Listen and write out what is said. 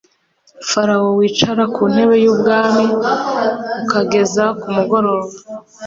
farawo wicara ku ntebe y’ubwami ukageza ku mugoroba